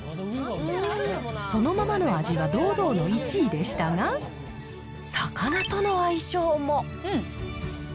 そのままの味は堂々の１位でしたが、魚との相性も。